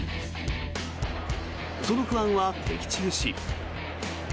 その不安は的中し。